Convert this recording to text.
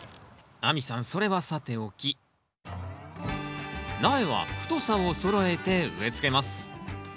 亜美さんそれはさておき苗は太さをそろえて植えつけます